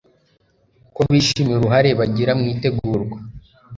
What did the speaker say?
ko bishimiye uruhare bagira mu itegurwa